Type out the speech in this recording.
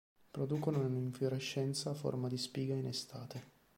Producono un'infiorescenza a forma di spiga in estate.